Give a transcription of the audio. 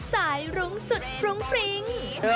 สายหลุงสุดฟรุ้งฟริง